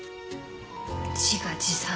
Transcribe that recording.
自画自賛。